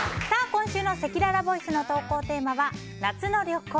今週のせきららボイスの投稿テーマは夏の旅行！